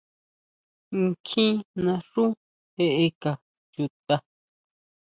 ¿Nkjín naxú jeʼeka chuta?